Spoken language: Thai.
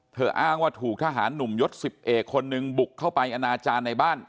อ้างว่าถูกทหารหนุ่มยศ๑๑คนนึงบุกเข้าไปอนาจารย์ในบ้าน